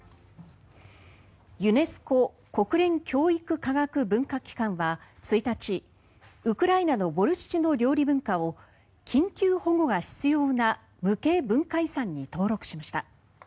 ユネスコ・国連教育科学文化機関は１日ウクライナのボルシチの料理文化を緊急保護が必要な無形文化遺産に登録しました。